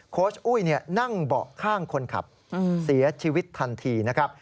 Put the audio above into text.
อุ้ยนั่งเบาะข้างคนขับเสียชีวิตทันทีนะครับ